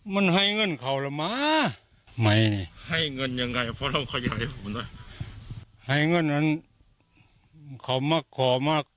มันให้เงินเขาละมั้ยไม่ให้เงินยังไงเพราะเราขยายผลนะให้เงินนั้นเขามาขอมาก